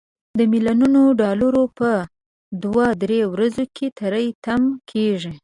دا ملیونونه ډالر په دوه درې ورځو کې تري تم کیږي.